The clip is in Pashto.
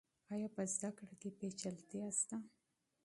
آیا په زده کړه کې پیچلتیا شته؟